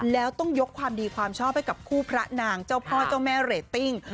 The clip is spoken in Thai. แล้วต้องยกความดีความชอบให้กับคู่พระนางเจ้าพ่อเจ้าแม่เรตติ้ง